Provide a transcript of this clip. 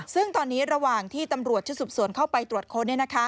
ซึ่งตอนนี้ระหว่างที่ตำรวจชุดสืบสวนเข้าไปตรวจค้น